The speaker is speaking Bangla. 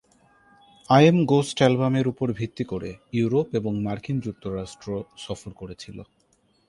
আই এম গোস্ট অ্যালবামের উপর ভিত্তি করে ইউরোপ এবং মার্কিন যুক্তরাষ্ট্র সফর করেছিল।